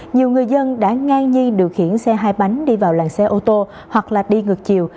nhiều người dân đã ngang nhi điều khiển xe hai bánh đi vào làng xe ô tô hoặc đi ngược chiều